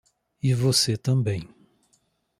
E você também.